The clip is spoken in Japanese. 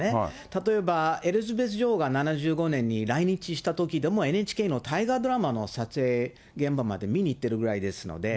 例えば、エリザベス女王が７５年に来日したときでも、ＮＨＫの大河ドラマの撮影現場まで見に行ってるぐらいですので。